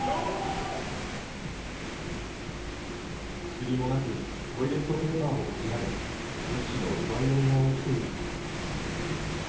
薬もなく、トイレットペーパーも限られ、物資の奪い合いが起きているといいます。